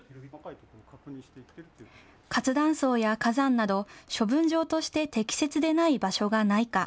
活断層や火山など、処分場として適切でない場所がないか。